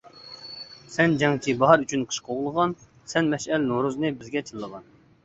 سەن جەڭچى باھار ئۈچۈن قىش قوغلىغان، سەن مەشئەل نورۇزنى بىزگە چىللىغان.